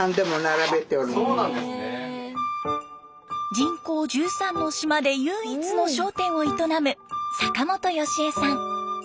人口１３の島で唯一の商店を営む阪本佳江さん。